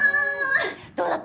どうだった？